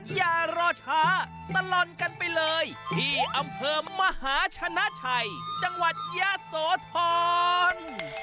อย่ารอช้าตลอดกันไปเลยที่อำเภอมหาชนะชัยจังหวัดยะโสธร